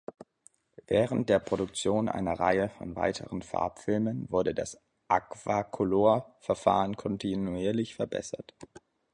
Während der Produktion einer Reihe von weiteren Farbfilmen wurde das Agfacolor-Verfahren kontinuierlich verbessert.